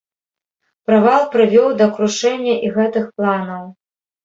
Правал прывёў да крушэння і гэтых планаў.